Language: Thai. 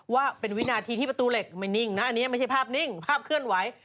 ว่าเป็นวินาทีที่ประตูเหล็กไม่นิ่งนะอันนี้ไม่ใช่ภาพนิ่งภาพเคลื่อนไหว